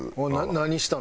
何したの？